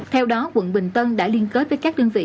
theo đó quận bình tân đã liên kết với các đơn vị